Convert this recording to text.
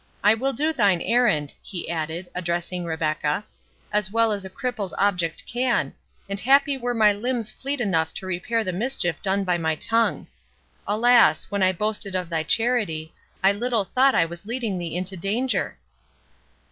—I will do thine errand," he added, addressing Rebecca, "as well as a crippled object can, and happy were my limbs fleet enough to repair the mischief done by my tongue. Alas! when I boasted of thy charity, I little thought I was leading thee into danger!"